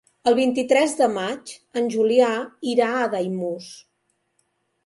El vint-i-tres de maig en Julià irà a Daimús.